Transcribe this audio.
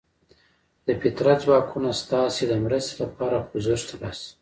د فطرت ځواکونه ستاسې د مرستې لپاره خوځښت راشي.